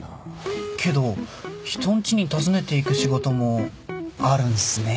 けど人んちに訪ねていく仕事もあるんすね。